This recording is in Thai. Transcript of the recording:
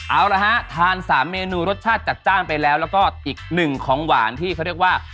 เอาละฮะทาน๓เมนูรสชาติจัดจ้านไปแล้วแล้วก็อีกหนึ่งของหวานที่เขาเรียกว่า